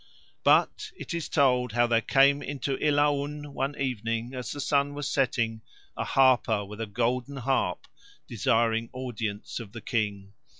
But it is told how there came into Ilaun one evening as the sun was setting a harper with a golden harp desiring audience of the King.